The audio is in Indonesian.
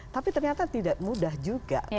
tapi ternyata tidak mudah juga